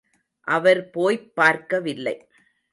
அவர் போய்ப் பார்க்கவில்லை.